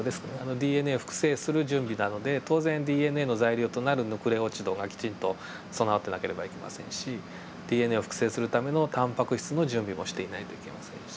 ＤＮＡを複製する準備なので当然ＤＮＡの材料となるヌクレオチドがきちんと備わってなければいけませんしＤＮＡを複製するためのタンパク質の準備もしていないといけませんし。